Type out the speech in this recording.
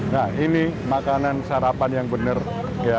nah ini makanan sarapan yang benar ya pakai nasi